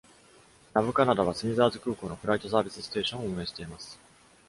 NavCanada は、スミザーズ空港のフライトサービスステーションを運営しています。